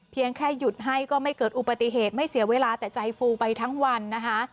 แค่หยุดให้ก็ไม่เกิดอุปติเหตุไม่เสียเวลาแต่ใจฟูไปทั้งวันนะคะ